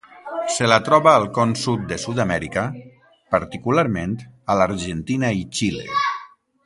Se la troba al Con Sud de Sud-amèrica, particularment a l'Argentina i Xile.